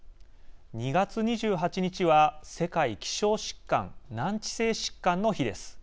２月２８日は世界希少疾患・難治性疾患の日です。